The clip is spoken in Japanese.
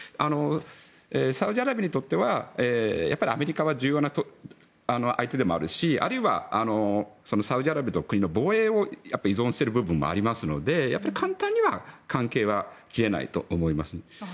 サウジアラビアにとってはアメリカは重要な相手でもあるしあるいはサウジアラビアという国の防衛を依存している部分もありますので簡単には関係は切れないと思います。